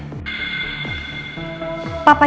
papa riki tah keterpandang